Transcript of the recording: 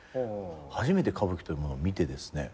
初めて歌舞伎というものを見てですね